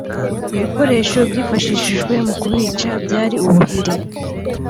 “Ibikoresho byifashishijwe mu kubica byari ubuhiri